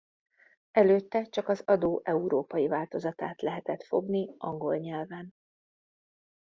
Előtte csak az adó európai változatát lehetett fogni angol nyelven.